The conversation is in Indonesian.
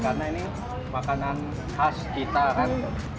karena ini makanan khas kita kan